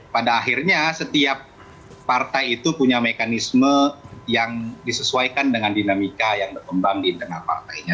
pada akhirnya setiap partai itu punya mekanisme yang disesuaikan dengan dinamika yang berkembang di internal partainya